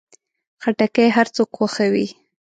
خټکی هر څوک خوښوي.